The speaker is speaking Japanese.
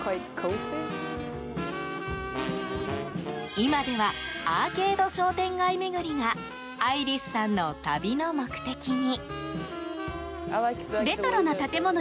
今ではアーケード商店街巡りがアイリスさんの旅の目的に。